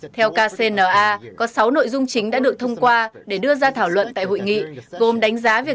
theo kcna có sáu nội dung chính đã được thông qua để đưa ra thảo luận tại hội nghị gồm đánh giá việc